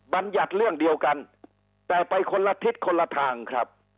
บรรยัติเรื่องเดียวกันแต่ไปคนละทิศคนละทางครับ